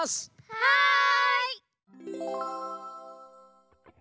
はい！